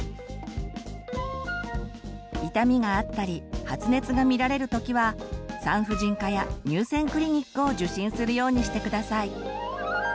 痛みがあったり発熱が見られる時は産婦人科や乳腺クリニックを受診するようにして下さい。